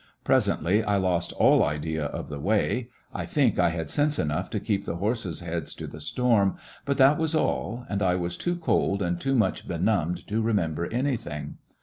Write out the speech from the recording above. Presently I lost all idea of the way ; I think I had sense enough to keep the horses' heads to the storm, but that was all, and I was too cold and too much benumbed to remember anything.